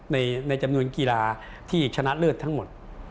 ในจำนวนกีฬาที่ชนะเลิศทั้งหมด